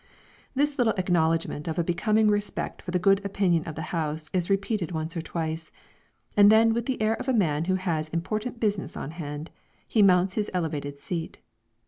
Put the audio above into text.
This little acknowledgment of a becoming respect for the good opinion of the house is repeated once or twice, and then with the air of a man who has important business on hand, he mounts his elevated seat.